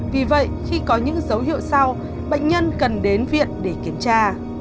vì vậy khi có những dấu hiệu sau bệnh nhân cần đến viện để kiểm tra